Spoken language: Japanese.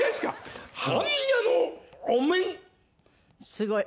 すごい！